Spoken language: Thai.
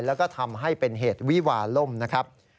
แล้วก็ทำให้เป็นเหตุวิวาล่มนะครับ